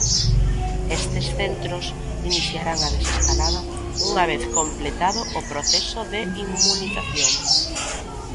Estes centros iniciarán a desescalada unha vez completado o proceso de inmunización.